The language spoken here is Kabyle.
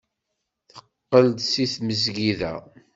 Teqqel-d seg tmesgida.